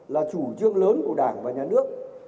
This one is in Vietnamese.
là chủ trương lớn của đảng và nhà nước